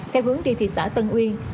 theo hướng đi thị xã tân uyên